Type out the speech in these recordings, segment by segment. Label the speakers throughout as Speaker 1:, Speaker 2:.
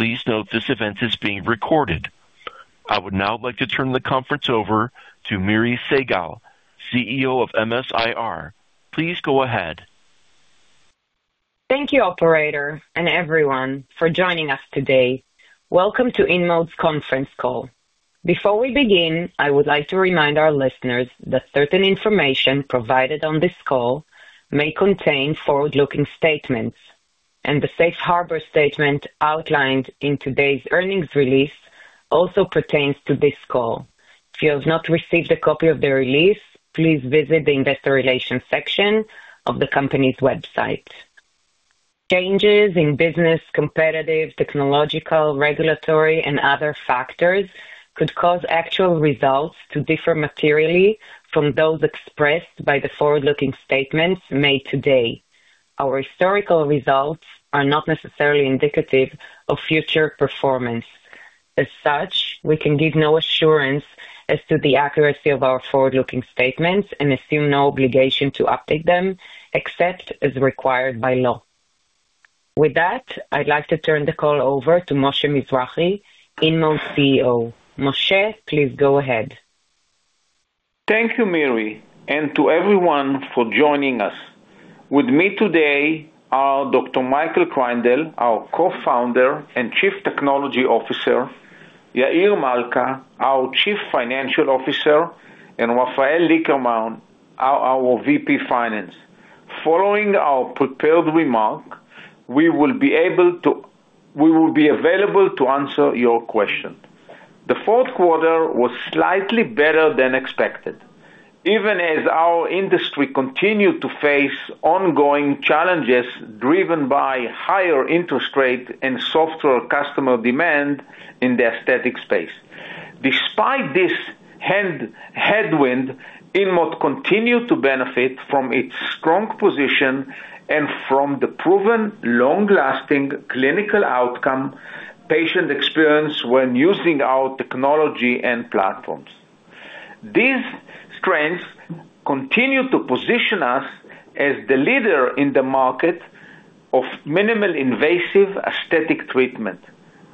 Speaker 1: Please note this event is being recorded. I would now like to turn the conference over to Miri Segal, CEO of MS-IR. Please go ahead.
Speaker 2: Thank you, operator, and everyone, for joining us today. Welcome to InMode's conference call. Before we begin, I would like to remind our listeners that certain information provided on this call may contain forward-looking statements, and the Safe Harbor statement outlined in today's earnings release also pertains to this call. If you have not received a copy of the release, please visit the investor relations section of the company's website. Changes in business, competitive, technological, regulatory, and other factors could cause actual results to differ materially from those expressed by the forward-looking statements made today. Our historical results are not necessarily indicative of future performance. As such, we can give no assurance as to the accuracy of our forward-looking statements and assume no obligation to update them except as required by law. With that, I'd like to turn the call over to Moshe Mizrahy, InMode CEO. Moshe, please go ahead.
Speaker 3: Thank you, Miri, and to everyone for joining us. With me today are Dr. Michael Kreindel, our Co-Founder and Chief Technology Officer; Yair Malca, our Chief Financial Officer; and Rafael Lickerman, our VP Finance. Following our prepared remark, we will be available to answer your questions. The fourth quarter was slightly better than expected, even as our industry continued to face ongoing challenges driven by higher interest rates and softer customer demand in the aesthetic space. Despite this headwind, InMode continued to benefit from its strong position and from the proven long-lasting clinical outcome patient experience when using our technology and platforms. These strengths continue to position us as the leader in the market of minimally invasive aesthetic treatment,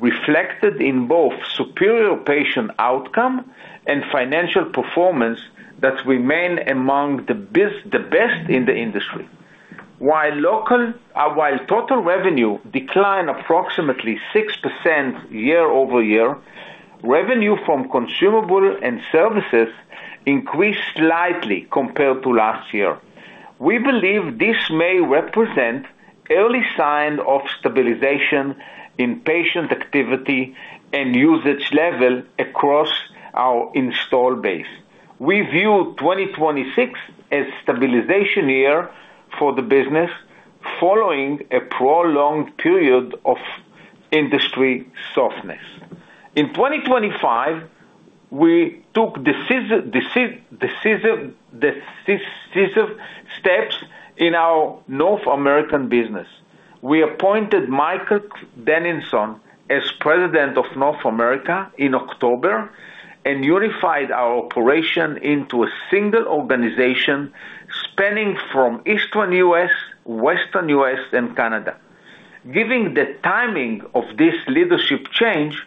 Speaker 3: reflected in both superior patient outcome and financial performance that remain among the best in the industry. While total revenue declined approximately 6% year-over-year, revenue from consumables and services increased slightly compared to last year. We believe this may represent early signs of stabilization in patient activity and usage level across our install base. We view 2026 as a stabilization year for the business following a prolonged period of industry softness. In 2025, we took decisive steps in our North American business. We appointed Michael Dennison as president of North America in October and unified our operation into a single organization spanning from Eastern U.S., Western U.S., and Canada. Given the timing of this leadership change,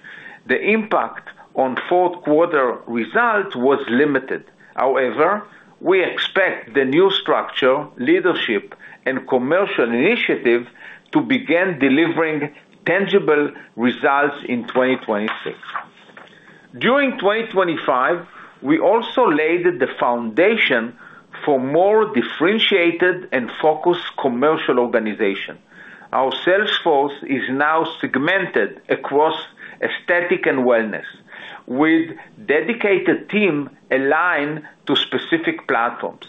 Speaker 3: the impact on fourth quarter results was limited. However, we expect the new structure, leadership, and commercial initiative to begin delivering tangible results in 2026. During 2025, we also laid the foundation for a more differentiated and focused commercial organization. Our sales force is now segmented across aesthetic and wellness, with a dedicated team aligned to specific platforms.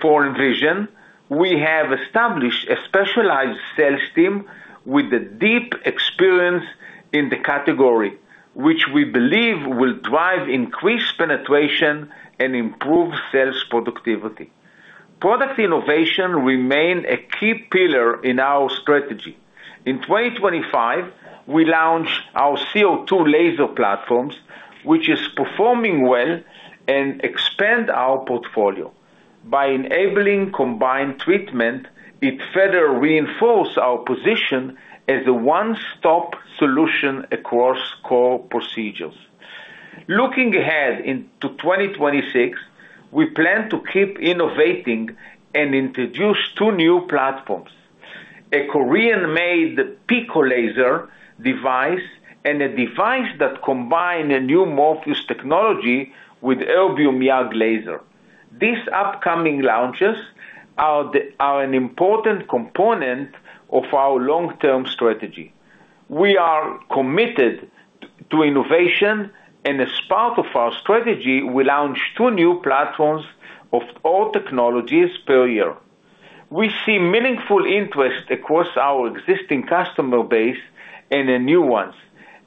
Speaker 3: For Envision, we have established a specialized sales team with deep experience in the category, which we believe will drive increased penetration and improve sales productivity. Product innovation remains a key pillar in our strategy. In 2025, we launched our CO2 laser platforms, which are performing well, and expand our portfolio. By enabling combined treatment, it further reinforces our position as a one-stop solution across core procedures. Looking ahead into 2026, we plan to keep innovating and introduce two new platforms: a Korean-made Pico laser device and a device that combines a new Morpheus technology with Erbium YAG laser. These upcoming launches are an important component of our long-term strategy. We are committed to innovation, and as part of our strategy, we launch two new platforms of all technologies per year. We see meaningful interest across our existing customer base and in new ones,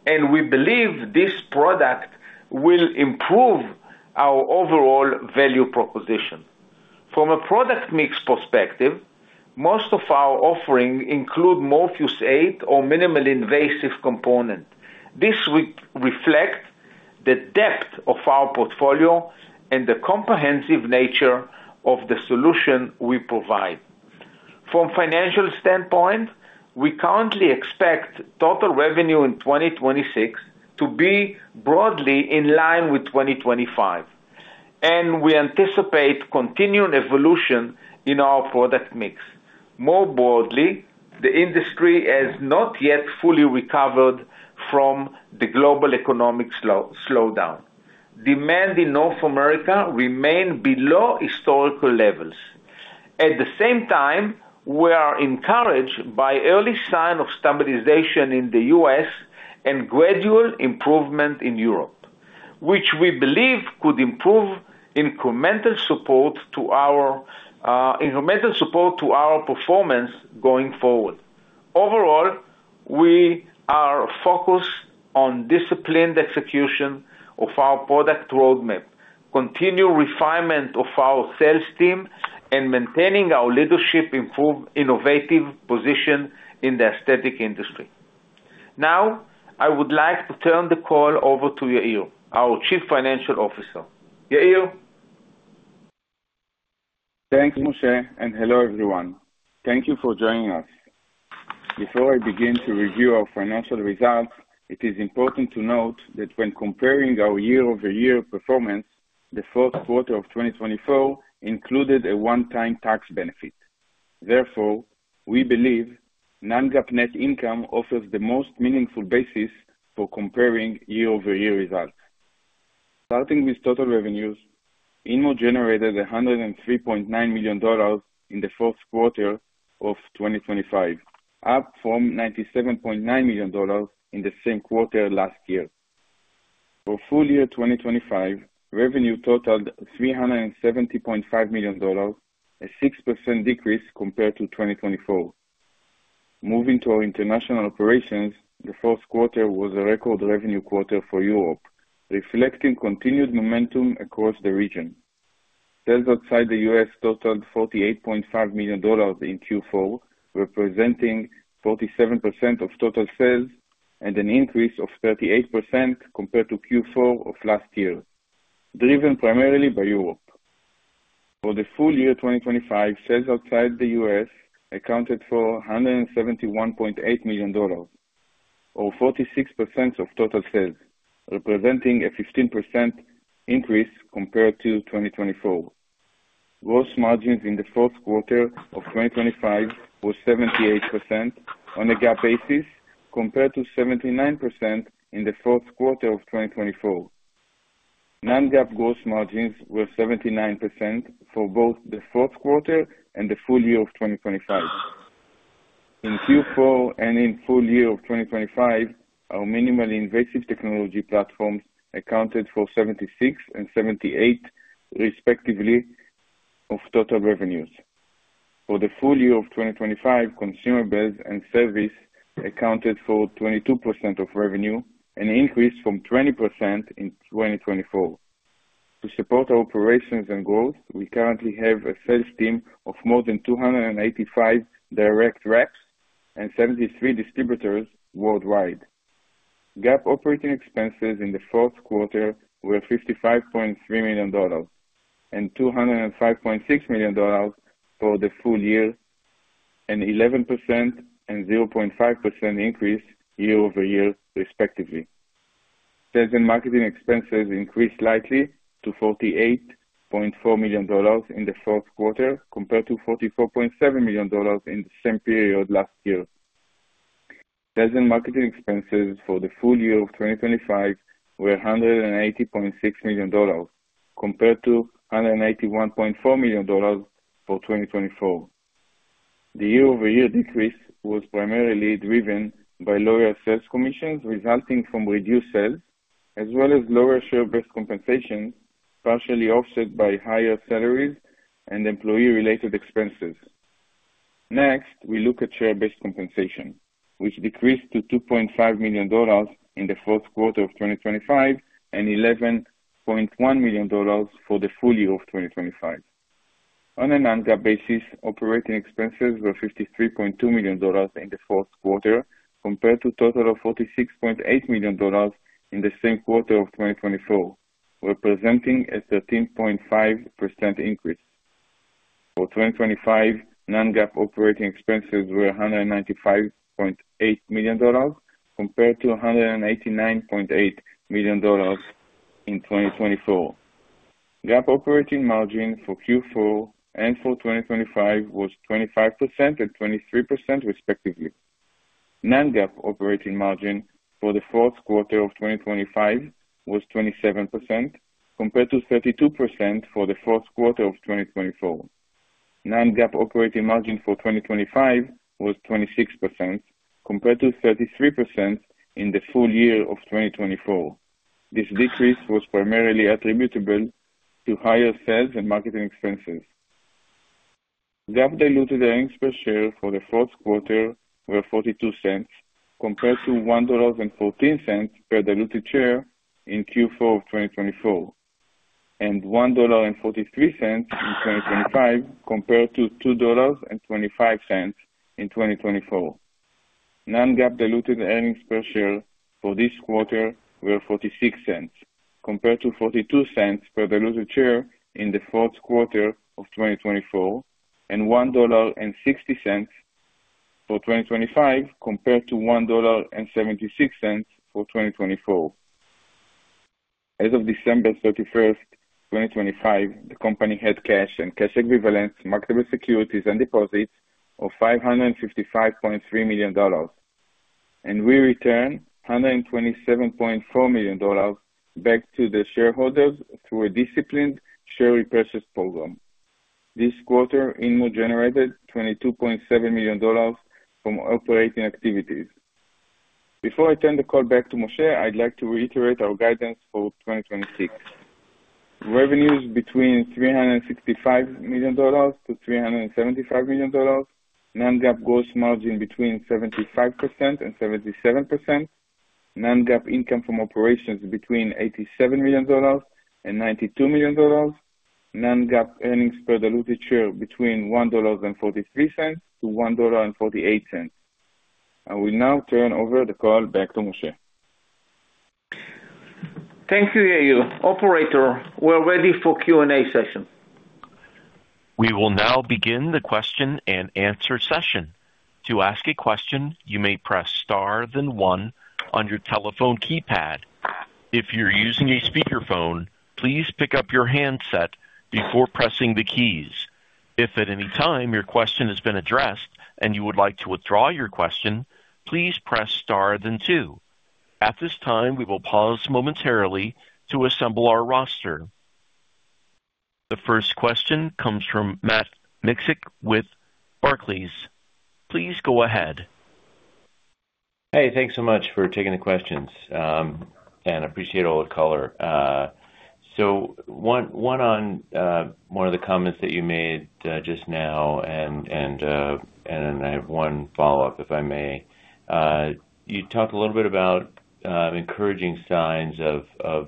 Speaker 3: and we believe this product will improve our overall value proposition. From a product mix perspective, most of our offerings include Morpheus8 or minimally invasive components. This reflects the depth of our portfolio and the comprehensive nature of the solution we provide. From a financial standpoint, we currently expect total revenue in 2026 to be broadly in line with 2025, and we anticipate continued evolution in our product mix. More broadly, the industry has not yet fully recovered from the global economic slowdown. Demand in North America remains below historical levels. At the same time, we are encouraged by early signs of stabilization in the U.S. and gradual improvement in Europe, which we believe could improve incremental support to our performance going forward. Overall, we are focused on disciplined execution of our product roadmap, continued refinement of our sales team, and maintaining our leadership in an innovative position in the aesthetic industry. Now, I would like to turn the call over to Yair, our Chief Financial Officer. Yair?
Speaker 4: Thanks, Moshe, and hello everyone. Thank you for joining us. Before I begin to review our financial results, it is important to note that when comparing our year-over-year performance, the fourth quarter of 2024 included a one-time tax benefit. Therefore, we believe Non-GAAP net income offers the most meaningful basis for comparing year-over-year results. Starting with total revenues, InMode generated $103.9 million in the fourth quarter of 2025, up from $97.9 million in the same quarter last year. For full year 2025, revenue totaled $370.5 million, a 6% decrease compared to 2024. Moving to our international operations, the fourth quarter was a record revenue quarter for Europe, reflecting continued momentum across the region. Sales outside the U.S. totaled $48.5 million in Q4, representing 47% of total sales and an increase of 38% compared to Q4 of last year, driven primarily by Europe. For the full year 2025, sales outside the U.S. accounted for $171.8 million, or 46% of total sales, representing a 15% increase compared to 2024. Gross margins in the fourth quarter of 2025 were 78% on a GAAP basis, compared to 79% in the fourth quarter of 2024. Non-GAAP gross margins were 79% for both the fourth quarter and the full year of 2025. In Q4 and in full year of 2025, our minimally invasive technology platforms accounted for 76% and 78%, respectively, of total revenues. For the full year of 2025, consumables and services accounted for 22% of revenue, an increase from 20% in 2024. To support our operations and growth, we currently have a sales team of more than 285 direct reps and 73 distributors worldwide. GAAP operating expenses in the fourth quarter were $55.3 million and $205.6 million for the full year, an 11% and 0.5% increase year-over-year, respectively. Sales and marketing expenses increased slightly to $48.4 million in the fourth quarter, compared to $44.7 million in the same period last year. Sales and marketing expenses for the full year of 2025 were $180.6 million, compared to $181.4 million for 2024. The year-over-year decrease was primarily driven by lower sales commissions resulting from reduced sales, as well as lower share-based compensation, partially offset by higher salaries and employee-related expenses. Next, we look at share-based compensation, which decreased to $2.5 million in the fourth quarter of 2025 and $11.1 million for the full year of 2025. On a non-GAAP basis, operating expenses were $53.2 million in the fourth quarter, compared to a total of $46.8 million in the same quarter of 2024, representing a 13.5% increase. For 2025, non-GAAP operating expenses were $195.8 million, compared to $189.8 million in 2024. GAAP operating margin for Q4 and for 2025 was 25% and 23%, respectively. Non-GAAP operating margin for the fourth quarter of 2025 was 27%, compared to 32% for the fourth quarter of 2024. Non-GAAP operating margin for 2025 was 26%, compared to 33% in the full year of 2024. This decrease was primarily attributable to higher sales and marketing expenses. GAAP diluted earnings per share for the fourth quarter were $0.42, compared to $1.14 per diluted share in Q4 of 2024, and $1.43 in 2025, compared to $2.25 in 2024. Non-GAAP diluted earnings per share for this quarter were $0.46, compared to $0.42 per diluted share in the fourth quarter of 2024, and $1.60 for 2025, compared to $1.76 for 2024. As of December 31st, 2025, the company had cash and cash equivalents, marketable securities, and deposits of $555.3 million, and we returned $127.4 million back to the shareholders through a disciplined share repurchase program. This quarter, InMode generated $22.7 million from operating activities. Before I turn the call back to Moshe, I'd like to reiterate our guidance for 2026: revenues between $365 million-$375 million, non-GAAP gross margin between 75%-77%, non-GAAP income from operations between $87 million-$92 million, non-GAAP earnings per diluted share between $1.43-$1.48. I will now turn over the call back to Moshe.
Speaker 3: Thank you, Yair. Operator, we're ready for Q&A session.
Speaker 1: We will now begin the question and answer session. To ask a question, you may press star then one on your telephone keypad. If you're using a speakerphone, please pick up your handset before pressing the keys. If at any time your question has been addressed and you would like to withdraw your question, please press star then two. At this time, we will pause momentarily to assemble our roster. The first question comes from Matt Miksic with Barclays. Please go ahead.
Speaker 5: Hey, thanks so much for taking the questions, and I appreciate all the color. So one on one of the comments that you made just now, and then I have one follow-up, if I may. You talked a little bit about encouraging signs of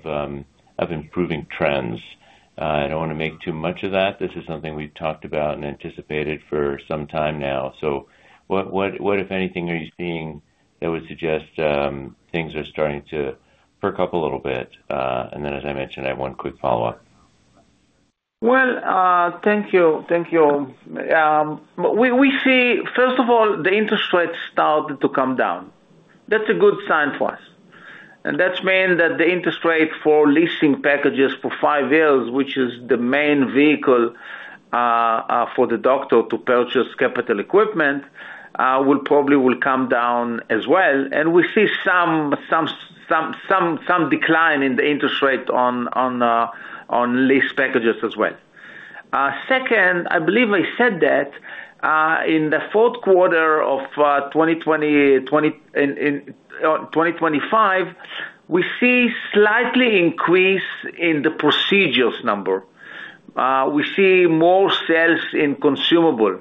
Speaker 5: improving trends. I don't want to make too much of that. This is something we've talked about and anticipated for some time now. So what, if anything, are you seeing that would suggest things are starting to perk up a little bit? And then, as I mentioned, I have one quick follow-up.
Speaker 3: Well, thank you. Thank you. First of all, the interest rates started to come down. That's a good sign for us. And that's meant that the interest rate for leasing packages for five years, which is the main vehicle for the doctor to purchase capital equipment, will probably come down as well. And we see some decline in the interest rate on lease packages as well. Second, I believe I said that in the fourth quarter of 2025, we see a slight increase in the procedures number. We see more sales in consumables,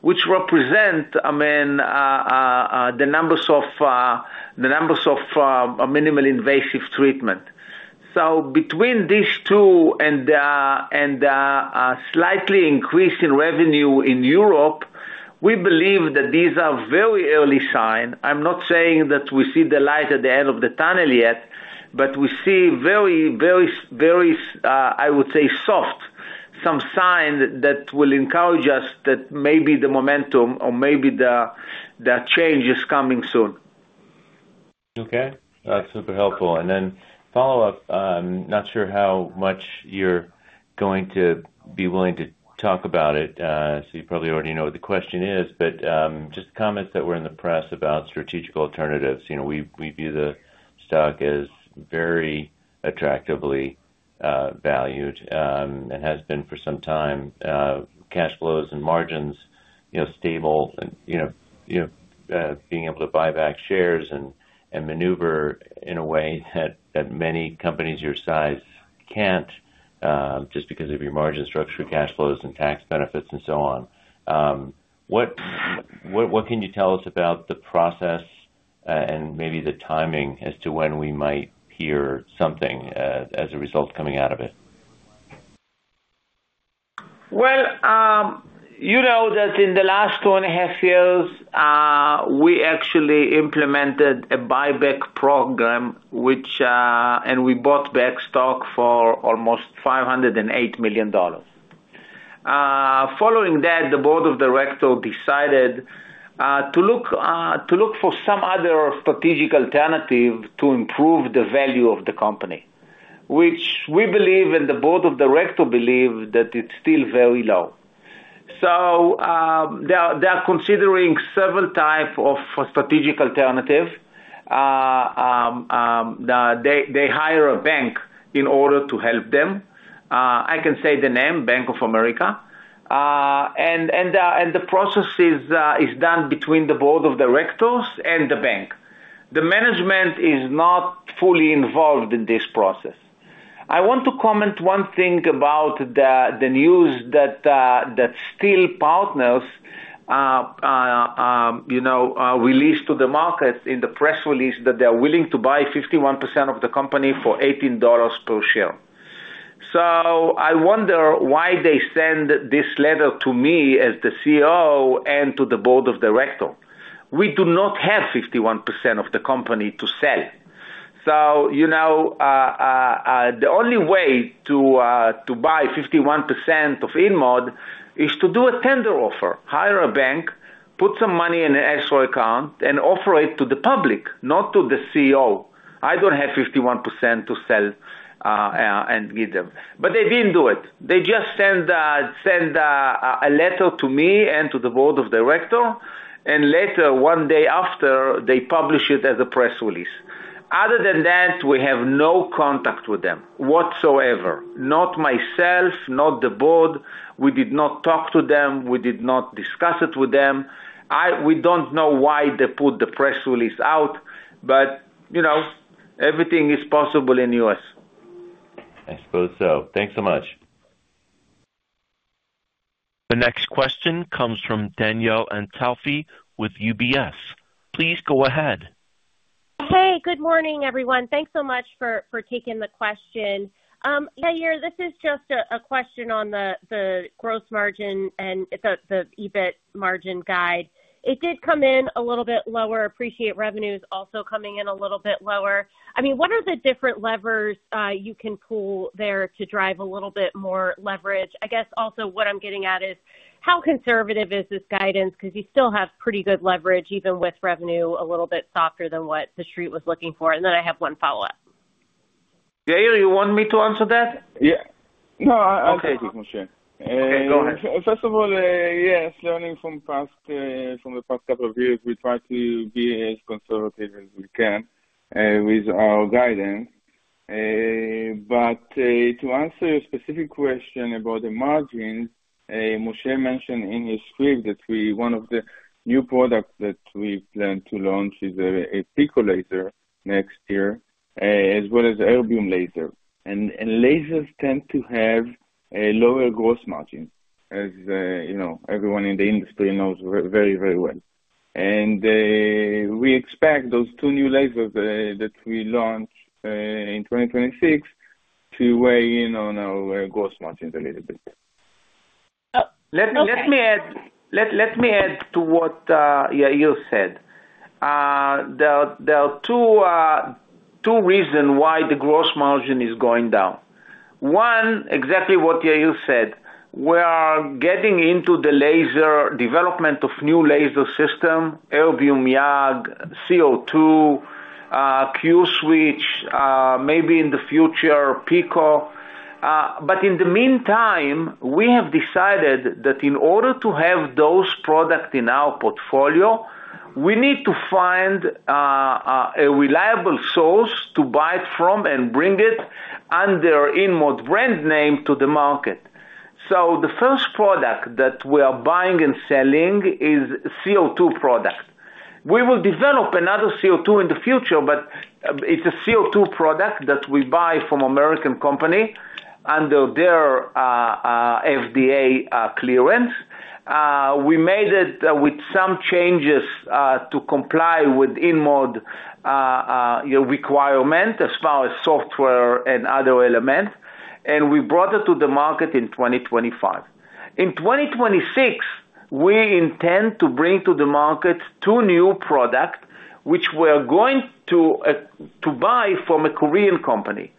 Speaker 3: which represent, I mean, the numbers of the numbers of minimally invasive treatment. So between these two and a slight increase in revenue in Europe, we believe that these are very early signs. I'm not saying that we see the light at the end of the tunnel yet, but we see very, very, very, I would say, soft some signs that will encourage us that maybe the momentum or maybe the change is coming soon.
Speaker 5: Okay. That's super helpful. And then follow-up, not sure how much you're going to be willing to talk about it, so you probably already know what the question is, but just comments that were in the press about strategic alternatives. We view the stock as very attractively valued and has been for some time, cash flows and margins stable, being able to buy back shares and maneuver in a way that many companies your size can't just because of your margin structure, cash flows, and tax benefits, and so on. What can you tell us about the process and maybe the timing as to when we might hear something as a result coming out of it?
Speaker 3: Well, you know that in the last two and a half years, we actually implemented a buyback program, and we bought back stock for almost $508 million. Following that, the board of directors decided to look for some other strategic alternative to improve the value of the company, which we believe, and the board of directors believe, that it's still very low. So they are considering several types of strategic alternatives. They hire a bank in order to help them. I can say the name, Bank of America. The process is done between the board of directors and the bank. The management is not fully involved in this process. I want to comment one thing about the news that Steel Partners released to the markets in the press release that they are willing to buy 51% of the company for $18 per share. I wonder why they send this letter to me as the CEO and to the board of directors. We do not have 51% of the company to sell. The only way to buy 51% of InMode is to do a tender offer, hire a bank, put some money in an escrow account, and offer it to the public, not to the CEO. I don't have 51% to sell and give them. They didn't do it. They just sent a letter to me and to the board of directors, and later, one day after, they published it as a press release. Other than that, we have no contact with them whatsoever, not myself, not the board. We did not talk to them. We did not discuss it with them. We don't know why they put the press release out, but everything is possible in the U.S.
Speaker 5: I suppose so. Thanks so much.
Speaker 1: The next question comes from Danielle Antalffy with UBS. Please go ahead.
Speaker 6: Hey, good morning, everyone. Thanks so much for taking the question. Yair, this is just a question on the gross margin and the EBIT margin guide. It did come in a little bit lower. Appreciate revenues also coming in a little bit lower. I mean, what are the different levers you can pull there to drive a little bit more leverage? I guess also what I'm getting at is how conservative is this guidance because you still have pretty good leverage even with revenue a little bit softer than what the street was looking for. And then I have one follow-up.
Speaker 3: Yair, you want me to answer that?
Speaker 4: Yeah. No, I'll take it, Moshe.
Speaker 3: Okay. Go ahead.
Speaker 4: First of all, yes, learning from the past couple of years, we try to be as conservative as we can with our guidance. But to answer your specific question about the margins, Moshe mentioned in his script that one of the new products that we plan to launch is a Pico laser next year, as well as Erbium YAG laser. And lasers tend to have lower gross margins, as everyone in the industry knows very, very well. And we expect those two new lasers that we launch in 2026 to weigh in on our gross margins a little bit.
Speaker 3: Let me add to what Yair said. There are two reasons why the gross margin is going down. One, exactly what Yair said, we are getting into the development of new laser systems, Erbium YAG, CO2, Q-Switch, maybe in the future, Pico. But in the meantime, we have decided that in order to have those products in our portfolio, we need to find a reliable source to buy it from and bring it under InMode brand name to the market. So the first product that we are buying and selling is a CO2 product. We will develop another CO2 in the future, but it's a CO2 product that we buy from an American company under their FDA clearance. We made it with some changes to comply with InMode requirements as far as software and other elements, and we brought it to the market in 2025. In 2026, we intend to bring to the market two new products, which we are going to buy from a Korean company.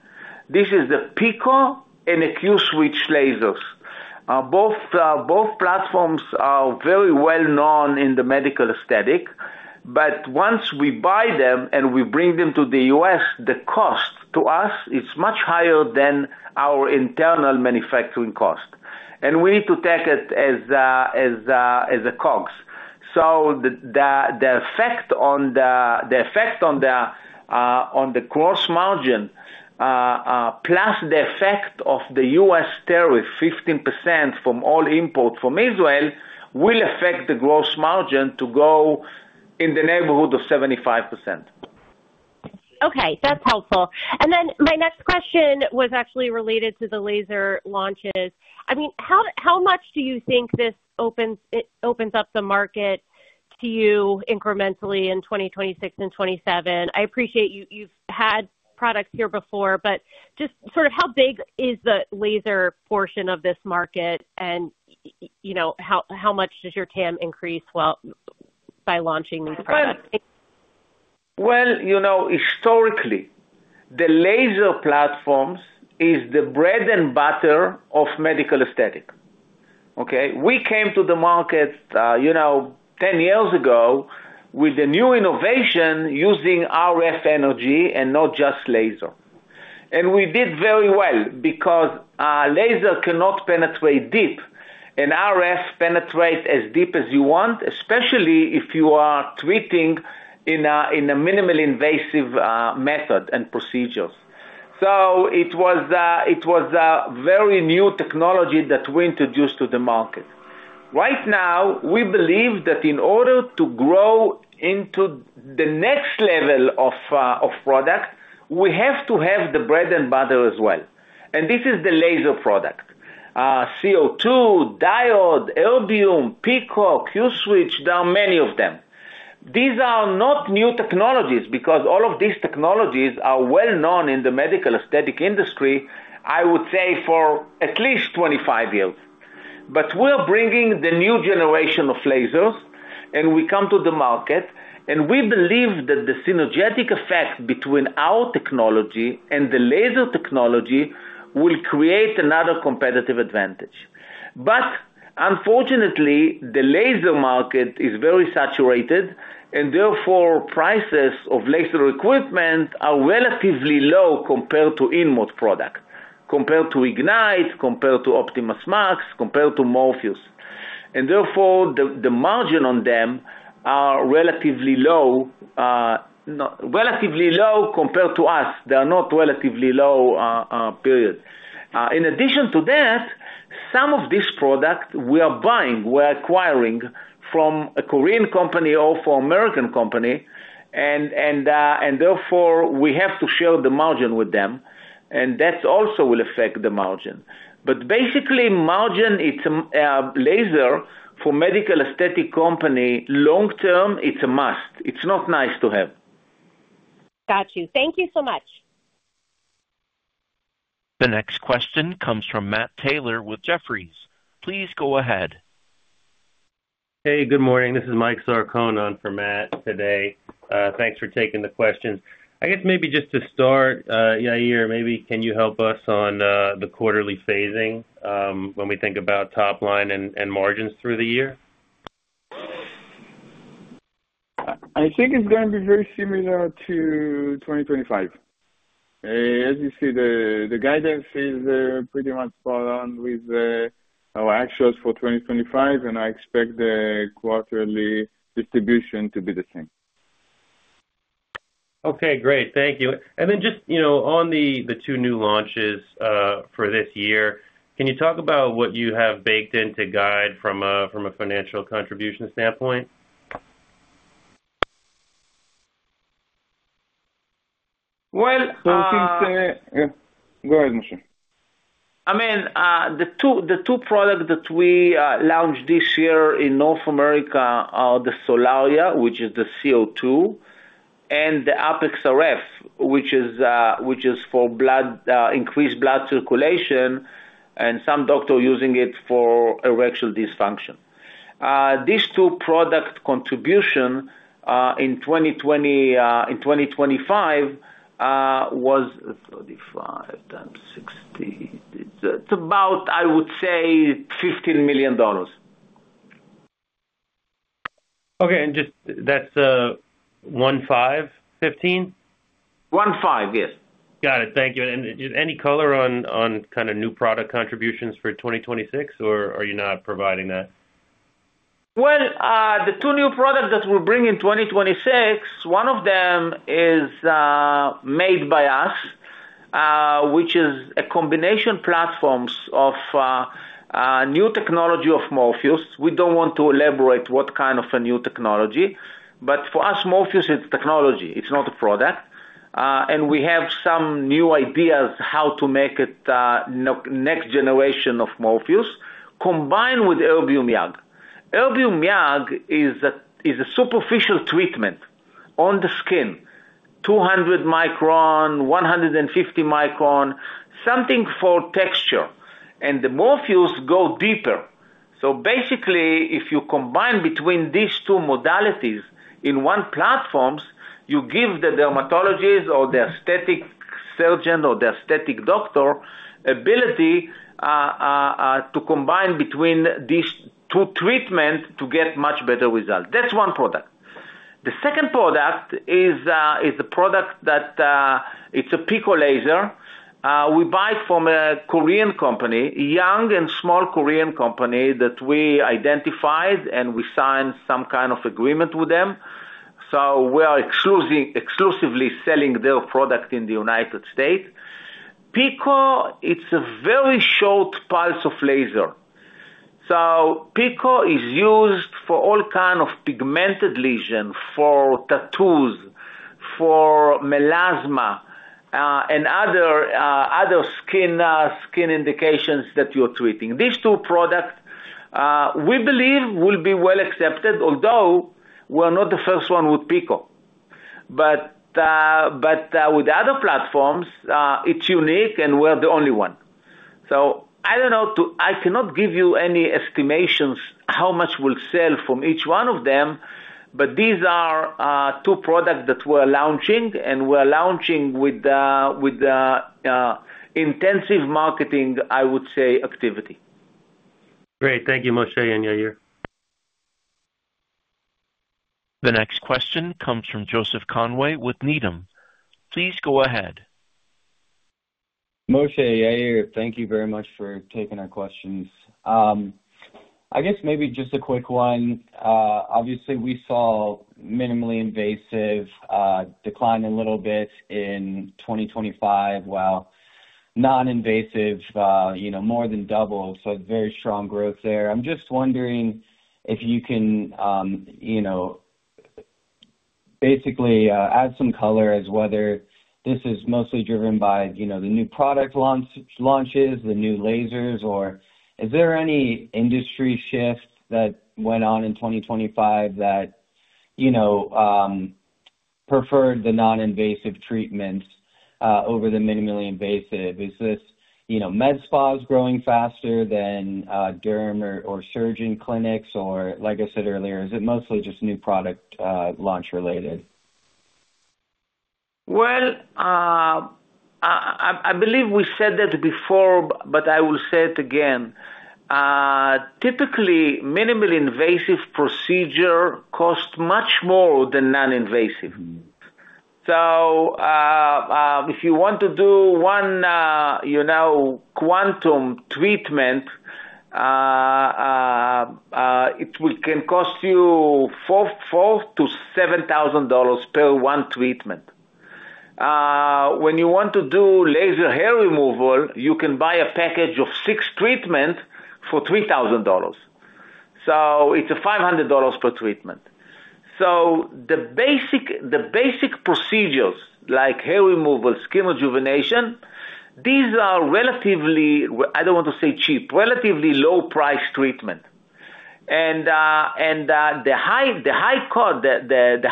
Speaker 3: This is the Pico and the Q-Switch lasers. Both platforms are very well known in the medical aesthetic, but once we buy them and we bring them to the U.S., the cost to us is much higher than our internal manufacturing cost. And we need to take it as a COGS. So the effect on the gross margin plus the effect of the U.S. tariff, 15% from all imports from Israel, will affect the gross margin to go in the neighborhood of 75%.
Speaker 6: Okay. That's helpful. And then my next question was actually related to the laser launches. I mean, how much do you think this opens up the market to you incrementally in 2026 and 2027? I appreciate you've had products here before, but just sort of how big is the laser portion of this market, and how much does your TAM increase by launching these products?
Speaker 3: Well, historically, the laser platforms are the bread and butter of medical aesthetic. Okay? We came to the market 10 years ago with a new innovation using RF energy and not just laser. And we did very well because laser cannot penetrate deep, and RF penetrates as deep as you want, especially if you are treating in a minimal invasive method and procedures. So it was a very new technology that we introduced to the market. Right now, we believe that in order to grow into the next level of product, we have to have the bread and butter as well. And this is the laser product: CO2, diode, Erbium YAG, Pico, Q-Switch, there are many of them. These are not new technologies because all of these technologies are well known in the medical aesthetic industry, I would say, for at least 25 years. But we are bringing the new generation of lasers, and we come to the market, and we believe that the synergetic effect between our technology and the laser technology will create another competitive advantage. But unfortunately, the laser market is very saturated, and therefore, prices of laser equipment are relatively low compared to InMode products, compared to IgniteRF, compared to OptimasMAX, compared to Morpheus8. And therefore, the margin on them is relatively low compared to us. They are not relatively low, period. In addition to that, some of these products we are buying, we are acquiring from a Korean company or from an American company, and therefore, we have to share the margin with them, and that also will affect the margin. But basically, margin, it's a laser for a medical aesthetic company. Long term, it's a must. It's not nice to have.
Speaker 6: Got you. Thank you so much.
Speaker 1: The next question comes from Matt Taylor with Jefferies. Please go ahead.
Speaker 7: Hey, good morning. This is Mike Sarcone for Matt today. Thanks for taking the questions. I guess maybe just to start, Yair, maybe can you help us on the quarterly phasing when we think about top line and margins through the year?
Speaker 4: I think it's going to be very similar to 2025. As you see, the guidance is pretty much spot on with our actuals for 2025, and I expect the quarterly distribution to be the same.
Speaker 7: Okay. Great. Thank you. Then just on the two new launches for this year, can you talk about what you have baked into guide from a financial contribution standpoint?
Speaker 3: Well.
Speaker 4: Go ahead, Moshe.
Speaker 3: I mean, the two products that we launched this year in North America are the Solaria, which is the CO2, and the ApexRF, which is for increased blood circulation and some doctors using it for erectile dysfunction. These two products' contribution in 2025 was 35 times 60. It's about, I would say, $15 million.
Speaker 7: Okay. And that's 15? 15?
Speaker 3: 15, yes.
Speaker 7: Got it. Thank you. And any color on kind of new product contributions for 2026, or are you not providing that?
Speaker 3: Well, the two new products that we'll bring in 2026, one of them is made by us, which is a combination platforms of new technology of Morpheus. We don't want to elaborate what kind of a new technology, but for us, Morpheus, it's technology. It's not a product. And we have some new ideas how to make it next generation of Morpheus combined with Erbium YAG. Erbium YAG is a superficial treatment on the skin, 200 micron, 150 micron, something for texture. And the Morpheus go deeper. So basically, if you combine between these two modalities in one platforms, you give the dermatologist or the aesthetic surgeon or the aesthetic doctor the ability to combine between these two treatments to get much better results. That's one product. The second product is a product that it's a Pico laser. We buy it from a Korean company, a young and small Korean company that we identified, and we signed some kind of agreement with them. So we are exclusively selling their product in the United States. Pico, it's a very short pulse of laser. So Pico is used for all kinds of pigmented lesions, for tattoos, for melasma, and other skin indications that you're treating. These two products, we believe, will be well accepted, although we're not the first one with Pico. But with other platforms, it's unique, and we're the only one. So I don't know. I cannot give you any estimations how much we'll sell from each one of them, but these are two products that we're launching, and we're launching with intensive marketing, I would say, activity.
Speaker 7: Great. Thank you, Moshe and Yair.
Speaker 1: The next question comes from Joseph Conway with Needham. Please go ahead.
Speaker 8: Moshe, Yair, thank you very much for taking our questions. I guess maybe just a quick one. Obviously, we saw minimally invasive decline a little bit in 2025. Well, non-invasive more than doubled. So it's very strong growth there. I'm just wondering if you can basically add some color as whether this is mostly driven by the new product launches, the new lasers, or is there any industry shift that went on in 2025 that preferred the non-invasive treatments over the minimally invasive? Is this med spas growing faster than derm or surgeon clinics? Or like I said earlier, is it mostly just new product launch-related?
Speaker 3: Well, I believe we said that before, but I will say it again. Typically, minimally invasive procedures cost much more than non-invasive. So if you want to do one Quantum treatment, it can cost you $4,000-$7,000 per one treatment. When you want to do laser hair removal, you can buy a package of 6 treatments for $3,000. So it's $500 per treatment. So the basic procedures like hair removal, skin rejuvenation, these are relatively I don't want to say cheap, relatively low-priced treatments. And the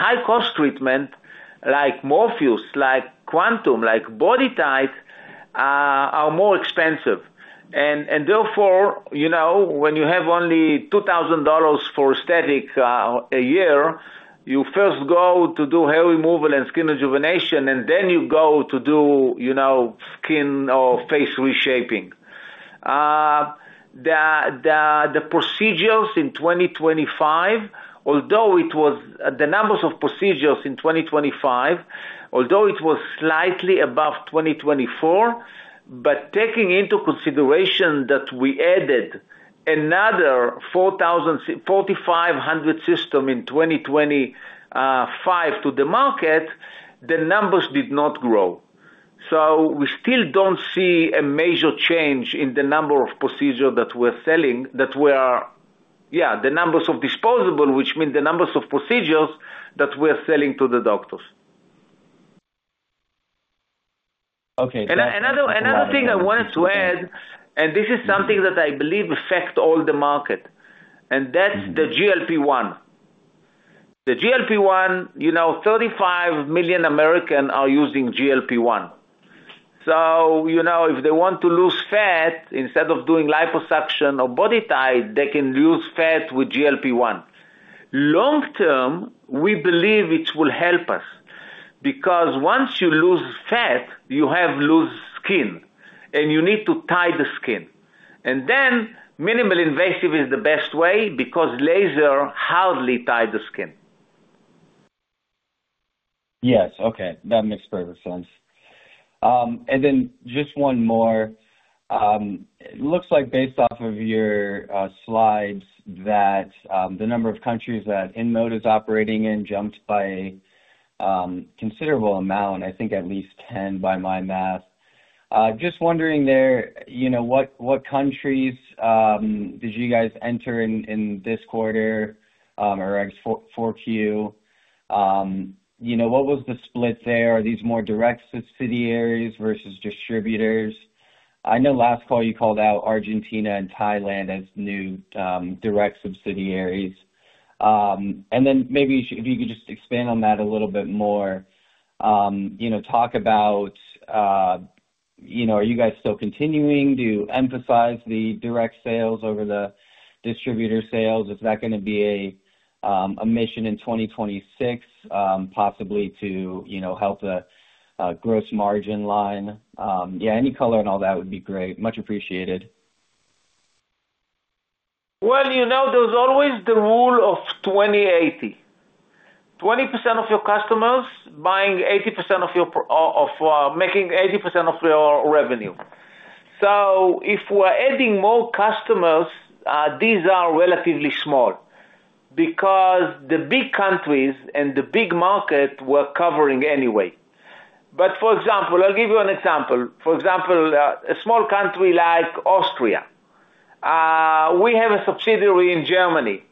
Speaker 3: high-cost treatments like Morpheus8, like QuantumRF, like BodyTite are more expensive. And therefore, when you have only $2,000 for aesthetics a year, you first go to do hair removal and skin rejuvenation, and then you go to do skin or face reshaping. The procedures in 2025, although it was the numbers of procedures in 2025, although it was slightly above 2024, but taking into consideration that we added another 4,500 system in 2025 to the market, the numbers did not grow. So we still don't see a major change in the number of procedures that we're selling that we are, the numbers of disposable, which means the numbers of procedures that we are selling to the doctors. Another thing I wanted to add, and this is something that I believe affects all the market, and that's the GLP-1. The GLP-1, 35 million Americans are using GLP-1. So if they want to lose fat, instead of doing liposuction or BodyTite, they can lose fat with GLP-1. Long term, we believe it will help us because once you lose fat, you have lost skin, and you need to tighten the skin. And then minimally invasive is the best way because laser hardly tightens the skin.
Speaker 8: Yes. Okay. That makes perfect sense. And then just one more. It looks like based off of your slides that the number of countries that InMode is operating in jumped by a considerable amount, I think at least 10 by my math. Just wondering there, what countries did you guys enter in this quarter or Q4? What was the split there? Are these more direct subsidiaries versus distributors? I know last call, you called out Argentina and Thailand as new direct subsidiaries. And then maybe if you could just expand on that a little bit more, talk about are you guys still continuing to emphasize the direct sales over the distributor sales? Is that going to be a mission in 2026, possibly to help the gross margin line? Yeah, any color on all that would be great. Much appreciated.
Speaker 3: Well, there's always the rule of 20/80. 20% of your customers are making 80% of your revenue. So if we're adding more customers, these are relatively small because the big countries and the big markets were covering anyway. But for example, I'll give you an example. For example, a small country like Austria. We have a subsidiary in Germany.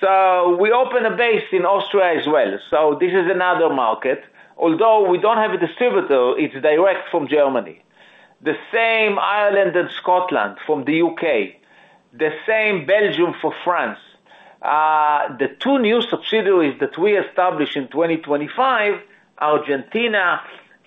Speaker 3: So we open a base in Austria as well. So this is another market. Although we don't have a distributor, it's direct from Germany. The same Ireland and Scotland from the U.K., the same Belgium for France. The 2 new subsidiaries that we established in 2025, Argentina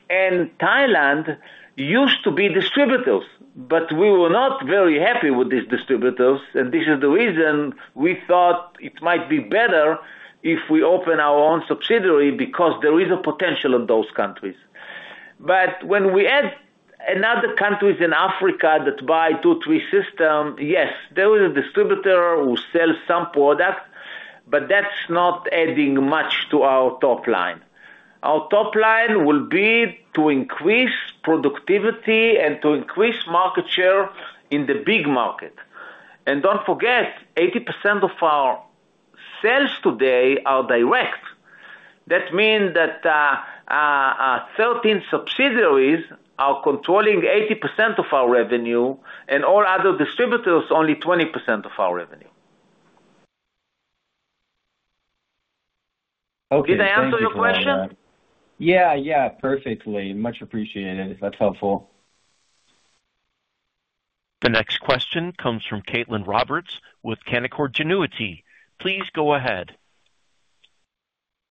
Speaker 3: and Thailand, used to be distributors, but we were not very happy with these distributors. And this is the reason we thought it might be better if we open our own subsidiary because there is a potential in those countries. But when we add another country in Africa that buys two or three systems, yes, there is a distributor who sells some product, but that's not adding much to our top line. Our top line will be to increase productivity and to increase market share in the big market. And don't forget, 80% of our sales today are direct. That means that 13 subsidiaries are controlling 80% of our revenue, and all other distributors, only 20% of our revenue.
Speaker 8: Okay. Thank you.
Speaker 3: Did I answer your question?
Speaker 8: Yeah. Yeah. Perfectly. Much appreciated. That's helpful.
Speaker 1: The next question comes from Caitlin Roberts with Canaccord Genuity. Please go ahead.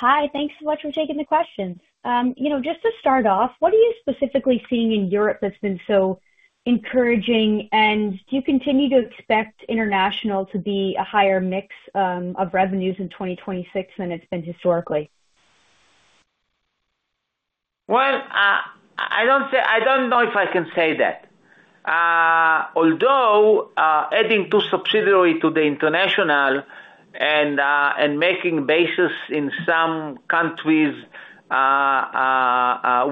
Speaker 9: Hi. Thanks so much for taking the questions. Just to start off, what are you specifically seeing in Europe that's been so encouraging? And do you continue to expect international to be a higher mix of revenues in 2026 than it's been historically?
Speaker 3: Well, I don't know if I can say that. Although adding two subsidiaries to the international and making bases in some countries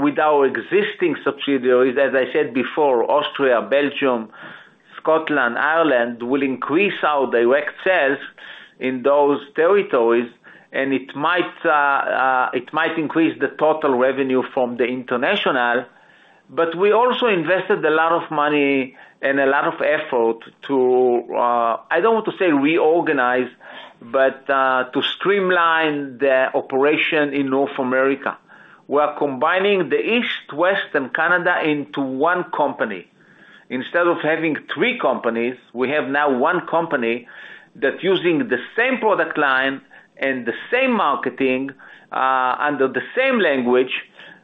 Speaker 3: with our existing subsidiaries, as I said before, Austria, Belgium, Scotland, Ireland, will increase our direct sales in those territories, and it might increase the total revenue from the international. But we also invested a lot of money and a lot of effort to I don't want to say reorganize, but to streamline the operation in North America. We are combining the East, West, and Canada into one company. Instead of having three companies, we have now one company that is using the same product line and the same marketing under the same language.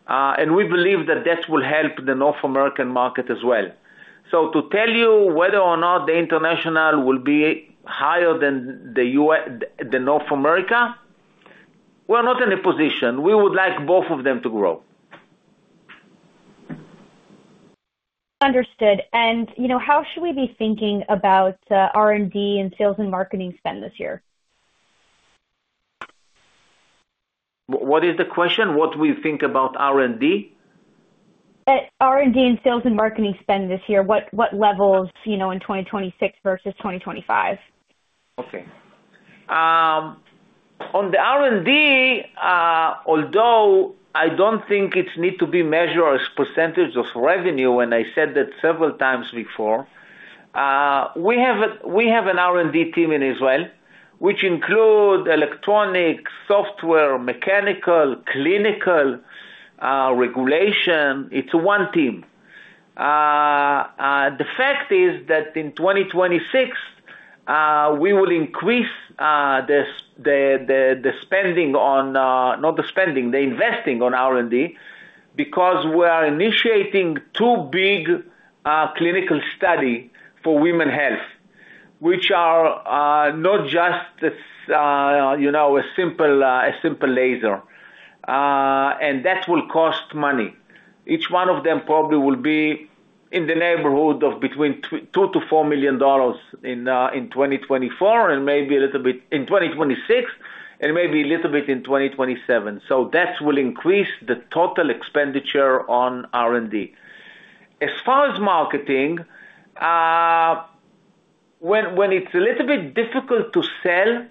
Speaker 3: And we believe that that will help the North American market as well. So to tell you whether or not the international will be higher than the North America, we're not in a position. We would like both of them to grow.
Speaker 9: Understood. And how should we be thinking about R&D and sales and marketing spend this year?
Speaker 3: What is the question? What do we think about R&D?
Speaker 9: R&D and sales and marketing spend this year, what levels in 2026 versus 2025?
Speaker 3: Okay. On the R&D, although I don't think it needs to be measured as a percentage of revenue, and I said that several times before, we have an R&D team in Israel, which includes electronics, software, mechanical, clinical, regulation. It's one team. The fact is that in 2026, we will increase the spending on not the spending, the investing on R&D because we are initiating two big clinical studies for women's health, which are not just a simple laser. And that will cost money. Each one of them probably will be in the neighborhood of between $2 million-$4 million in 2024 and maybe a little bit in 2026 and maybe a little bit in 2027. So that will increase the total expenditure on R&D. As far as marketing, when it's a little bit difficult to sell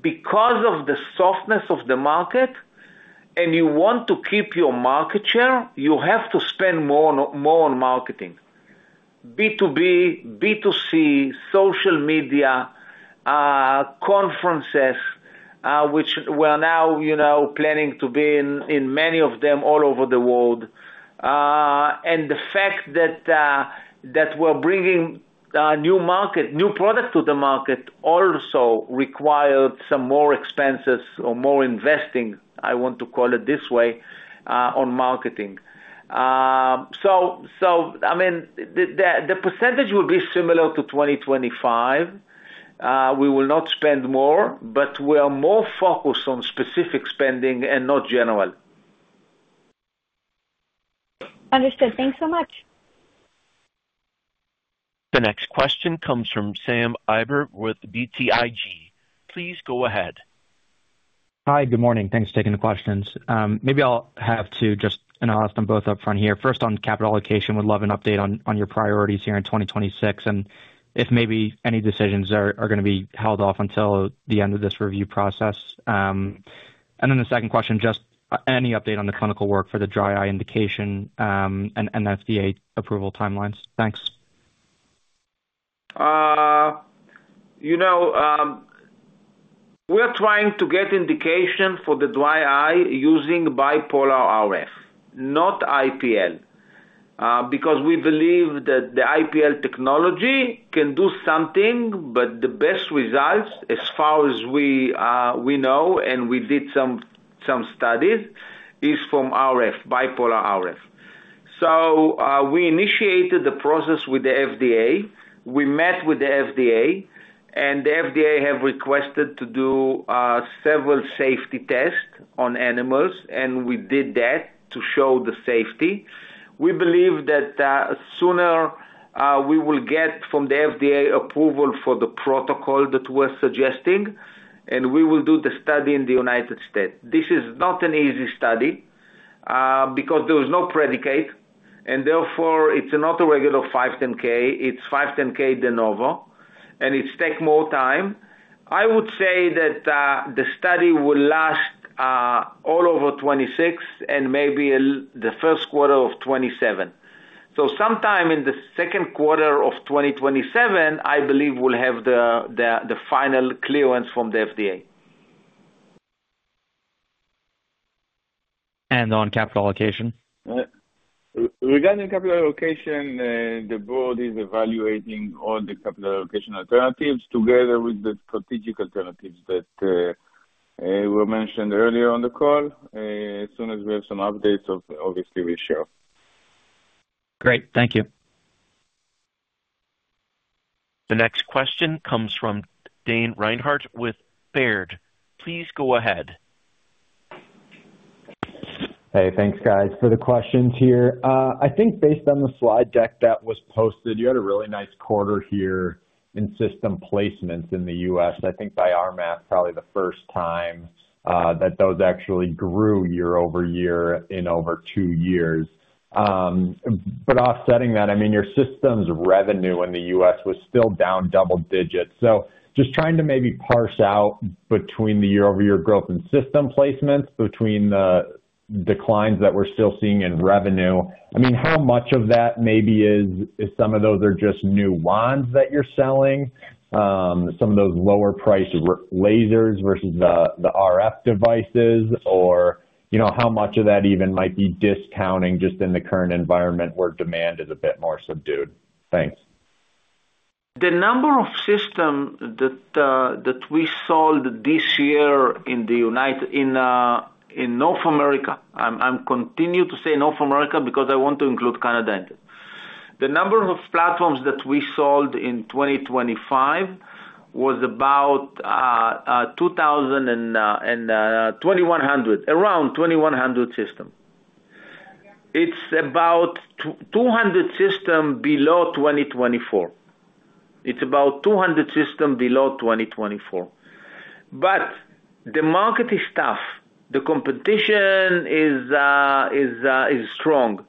Speaker 3: because of the softness of the market and you want to keep your market share, you have to spend more on marketing: B2B, B2C, social media, conferences, which we're now planning to be in many of them all over the world. And the fact that we're bringing new products to the market also requires some more expenses or more investing, I want to call it this way, on marketing. So I mean, the percentage will be similar to 2025. We will not spend more, but we are more focused on specific spending and not general.
Speaker 9: Understood. Thanks so much.
Speaker 1: The next question comes from Sam Eiber with BTIG. Please go ahead.
Speaker 10: Hi. Good morning. Thanks for taking the questions. Maybe I'll have to just, and I'll ask them both up front here. First, on capital allocation, would love an update on your priorities here in 2026 and if maybe any decisions are going to be held off until the end of this review process. And then the second question, just any update on the clinical work for the dry eye indication and FDA approval timelines. Thanks.
Speaker 3: We are trying to get indication for the dry eye using bipolar RF, not IPL, because we believe that the IPL technology can do something, but the best results, as far as we know, and we did some studies, is from RF, bipolar RF. So we initiated the process with the FDA. We met with the FDA, and the FDA has requested to do several safety tests on animals, and we did that to show the safety. We believe that sooner we will get from the FDA approval for the protocol that we're suggesting, and we will do the study in the United States. This is not an easy study because there is no predicate, and therefore, it's not a regular 510(k). It's 510(k) de novo, and it's taking more time. I would say that the study will last all over 2026 and maybe the first quarter of 2027. Sometime in the second quarter of 2027, I believe, we'll have the final clearance from the FDA.
Speaker 10: On capital allocation?
Speaker 4: Regarding capital allocation, the board is evaluating all the capital allocation alternatives together with the strategic alternatives that were mentioned earlier on the call. As soon as we have some updates, obviously, we share.
Speaker 10: Great. Thank you.
Speaker 1: The next question comes from Dane Reinhardt with Baird. Please go ahead.
Speaker 11: Hey. Thanks, guys, for the questions here. I think based on the slide deck that was posted, you had a really nice quarter here in system placements in the U.S. I think by our math, probably the first time that those actually grew year-over-year in over two years. But offsetting that, I mean, your systems revenue in the U.S. was still down double digits. So just trying to maybe parse out between the year-over-year growth in system placements, between the declines that we're still seeing in revenue, I mean, how much of that maybe is some of those are just new wands that you're selling, some of those lower-priced lasers versus the RF devices, or how much of that even might be discounting just in the current environment where demand is a bit more subdued? Thanks.
Speaker 3: The number of systems that we sold this year in North America, I'm continuing to say North America because I want to include Canada. The number of platforms that we sold in 2025 was about 2,100, around 2,100 systems. It's about 200 systems below 2024. It's about 200 systems below 2024. But the market is tough. The competition is strong.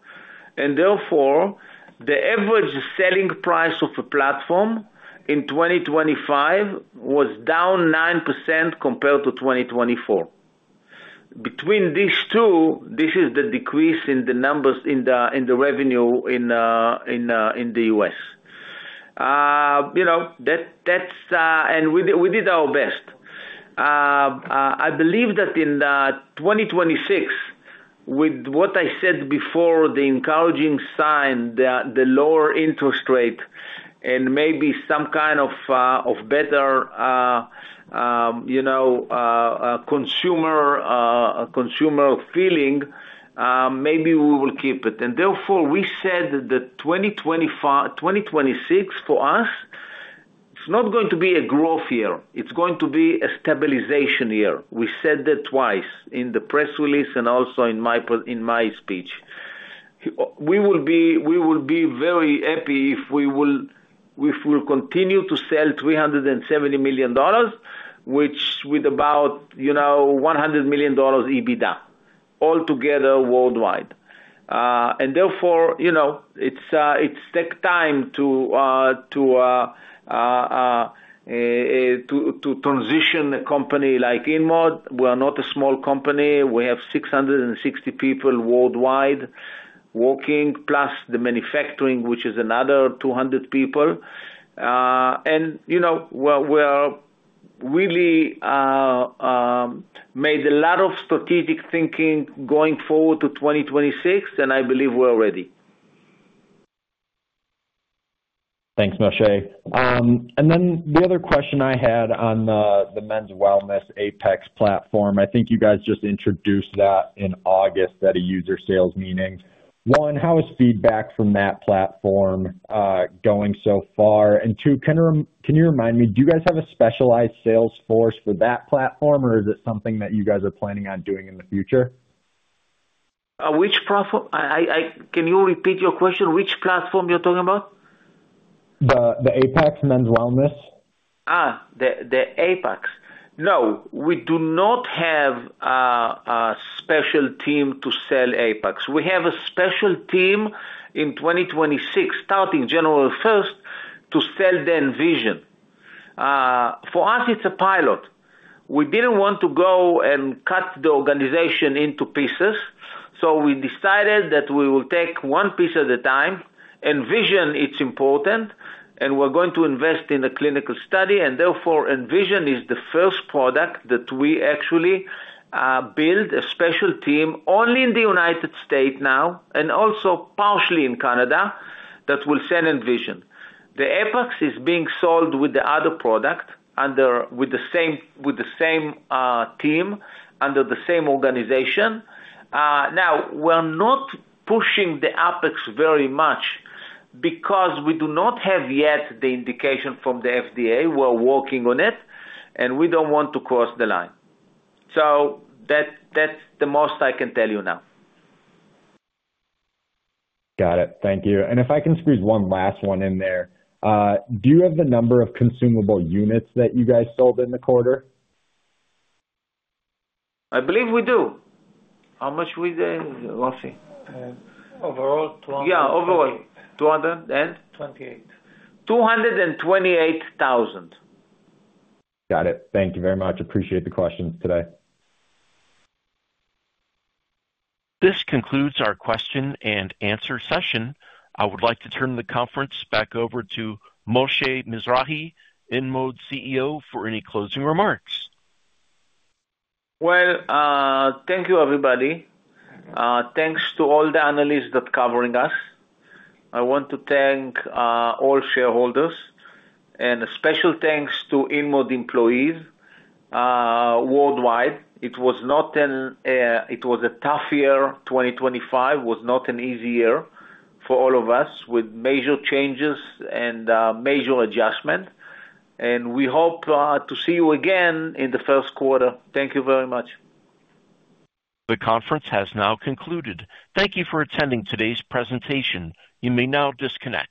Speaker 3: And therefore, the average selling price of a platform in 2025 was down 9% compared to 2024. Between these two, this is the decrease in the numbers in the revenue in the U.S. And we did our best. I believe that in 2026, with what I said before, the encouraging sign, the lower interest rate, and maybe some kind of better consumer feeling, maybe we will keep it. And therefore, we said that 2026, for us, it's not going to be a growth year. It's going to be a stabilization year. We said that twice in the press release and also in my speech. We will be very happy if we will continue to sell $370 million, which is about $100 million EBITDA altogether worldwide. And therefore, it takes time to transition a company like InMode. We are not a small company. We have 660 people worldwide working, plus the manufacturing, which is another 200 people. And we have really made a lot of strategic thinking going forward to 2026, and I believe we're ready.
Speaker 11: Thanks, Moshe. Then the other question I had on the men's wellness ApexRF platform, I think you guys just introduced that in August at a user sales meeting. One, how is feedback from that platform going so far? And two, can you remind me, do you guys have a specialized sales force for that platform, or is it something that you guys are planning on doing in the future?
Speaker 3: Can you repeat your question? Which platform you're talking about?
Speaker 11: The Apex men's wellness.
Speaker 3: the Apex. No, we do not have a special team to sell Apex. We have a special team in 2026, starting January 1st, to sell the Envision. For us, it's a pilot. We didn't want to go and cut the organization into pieces. So we decided that we will take one piece at a time. Envision, it's important, and we're going to invest in a clinical study. And therefore, Envision is the first product that we actually build a special team only in the United States now and also partially in Canada that will sell Envision. The Apex is being sold with the other product with the same team under the same organization. Now, we're not pushing the Apex very much because we do not have yet the indication from the FDA. We're working on it, and we don't want to cross the line. That's the most I can tell you now.
Speaker 11: Got it. Thank you. If I can squeeze one last one in there, do you have the number of consumable units that you guys sold in the quarter?
Speaker 3: I believe we do. How much we did, Moshe?
Speaker 4: Overall, 228.
Speaker 3: Yeah, overall. 228.
Speaker 11: Got it. Thank you very much. Appreciate the questions today.
Speaker 1: This concludes our question-and-answer session. I would like to turn the conference back over to Moshe Mizrahy, InMode CEO, for any closing remarks.
Speaker 3: Well, thank you, everybody. Thanks to all the analysts that are covering us. I want to thank all shareholders and a special thanks to InMode employees worldwide. It was not a tough year. 2025 was not an easy year for all of us with major changes and major adjustments. We hope to see you again in the first quarter. Thank you very much.
Speaker 1: The conference has now concluded. Thank you for attending today's presentation. You may now disconnect.